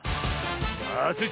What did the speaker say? さあスイ